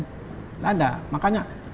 tidak ada makanya